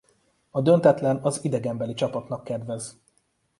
A döntetlen az idegenbeli csapatnak kedvez.